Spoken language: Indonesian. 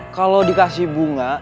kalo dikasih bunga